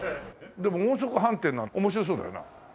でも音速飯店のは面白そうだよな。